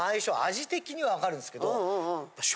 味的にはわかるんですけど。